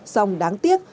xong đáng tiếc